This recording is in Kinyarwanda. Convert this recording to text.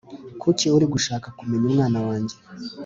Kuki uri gushaka kumenya umwana wanjye